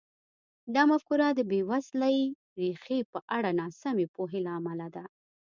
دا مفکوره د بېوزلۍ ریښې په اړه ناسمې پوهې له امله ده.